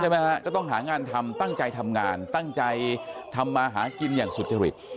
ก็ต้องหางานทำตั้งใจทำงานตั้งใจทำมาหากินอย่างสุจริต